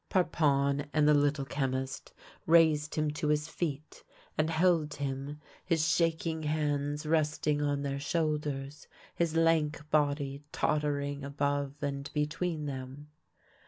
Parpon and the Little Chemist raised him to his feet, and held him, his shaking hands resting on their shoulders, his lank body tottering above and between them.